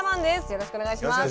よろしくお願いします。